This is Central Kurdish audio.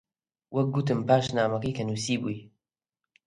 وەک گوتم، پاش نامەکەی کە نووسیبووی: